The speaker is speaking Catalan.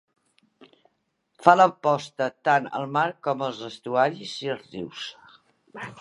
Fa la posta tant al mar com als estuaris i els rius.